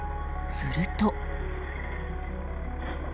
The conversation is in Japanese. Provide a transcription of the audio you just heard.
すると。